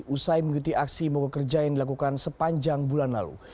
usai mengikuti aksi mogok kerja yang dilakukan sepanjang bulan lalu